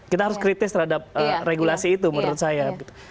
kita harus kritis terhadap regulasi itu menurut saya